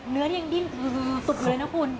เนื้อนี่ยังดิ้นสุดเลยนะครับคุณ